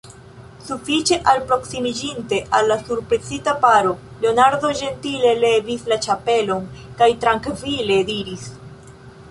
Sufiĉe alproksimiĝinte al la surprizita paro, Leonardo ĝentile levis la ĉapelon kaj trankvile diris: